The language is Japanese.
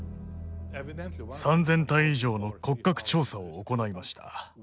３，０００体以上の骨格調査を行いました。